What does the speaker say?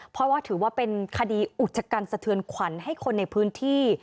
เพราะว่าถือว่าเป็นคดีอุจกันสะเทือนขวัญให้คนในพื้นที่